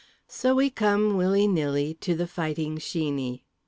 So we come, willy nilly, to The Fighting Sheeney.